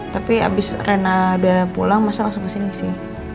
tapi abis rena udah pulang mas salah langsung ke sini sih